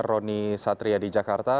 roni satria di jakarta